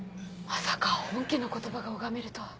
まさか本家の言葉が拝めるとは。